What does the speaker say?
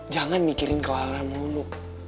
jangan mikirin clara mulu